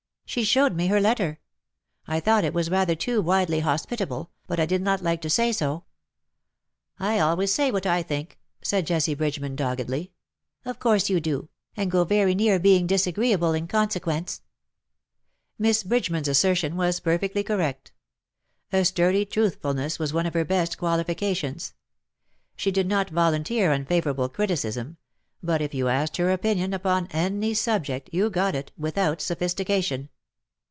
She showed me her letter. I thought it was rather too widely hospitable^ but I did not like to say so.^^ " I always say what I think/^ said Jessie Bridge man, doggedly. ^' Of course you do, and go very near being dis agreeable in consequence.^^ Miss Bridgeman^s assertion was perfectly correct. A sturdy truthfulness was one of her best qualifica tions. She did not volunteer unfavourable criticism; but if you asked her opinion upon any subject you got it, without sophistication.